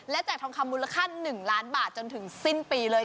แจกทองคำมูลค่า๑ล้านบาทจนถึงสิ้นปีเลย